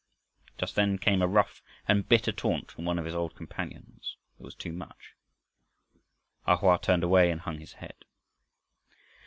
Just then came a rough and bitter taunt from one of his old companions. It was too much. A Hoa turned away and hung his head.